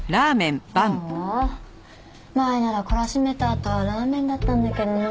ああ前なら懲らしめたあとはラーメンだったんだけどな。